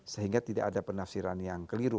sehingga tidak ada penafsiran yang keliru